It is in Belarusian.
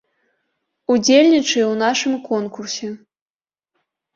Удзельнічай у нашым конкурсе!